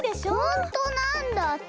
ほんとなんだって！